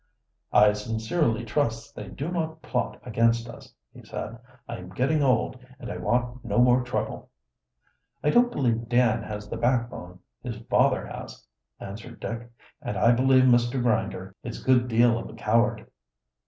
"I sincerely trust they do not plot against us," he said. "I am getting old, and I want no more trouble." "I don't believe Dan has the backbone his father has," answered Dick. "And I believe Mr. Grinder is good deal of a coward."